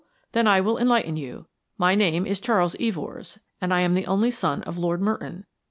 Then I will enlighten you. My name is Charles Evors, and I am the only son of Lord Merton.